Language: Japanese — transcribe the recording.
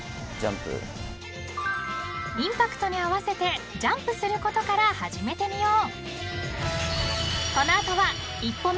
［インパクトに合わせてジャンプすることから始めてみよう］